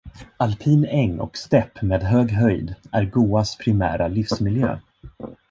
Alpin äng och stäpp med hög höjd är goas primära livsmiljö.